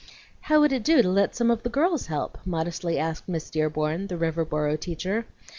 "How would it do to let some of the girls help?" modestly asked Miss Dearborn, the Riverboro teacher.